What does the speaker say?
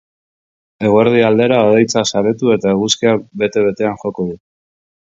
Eguerdi aldera hodeitza saretu eta eguzkiak bete betean joko du.